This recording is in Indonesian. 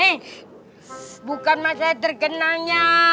eh bukan maksudnya terkenalnya